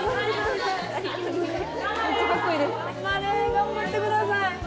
頑張ってください！